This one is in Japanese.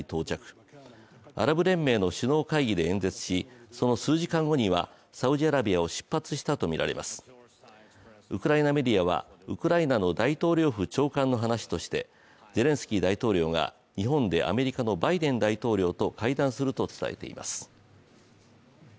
開催中のアラブ連盟の首脳会議で演説し、その数時間後にはウクライナメディアは、ウクライナの大統領府長官の話としてゼレンスキー大統領が日本でアメリカのバイデン大統領と会談するものとみられます